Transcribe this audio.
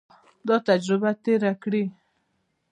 دا تجربه تېره کړي.